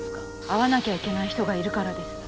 会わなきゃいけない人がいるからです。